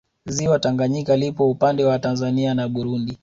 Ziwa Tanganyika lipo upande wa Tanzania na Burundi